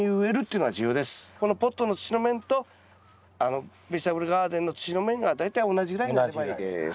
このポットの土の面とベジタブルガーデンの土の面が大体同じぐらいになればいいです。